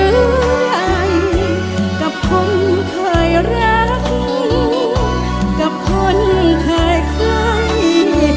เจอได้กับคนเคยรักกับคนเคยค่อย